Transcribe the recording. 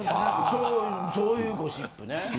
そういうゴシップね。